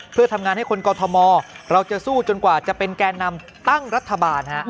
เพื่อทำงานให้คนกอทมเราจะสู้จนกว่าจะเป็นแก่นำตั้งรัฐบาล